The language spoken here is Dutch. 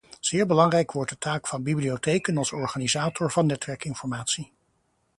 Zeer belangrijk wordt de taak van bibliotheken als organisator van netwerkinformatie.